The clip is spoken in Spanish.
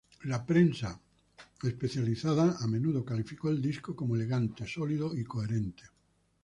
La prensa especializada a menudo calificó el disco como elegante sólido y coherente.